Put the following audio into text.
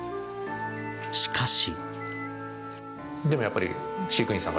しかし。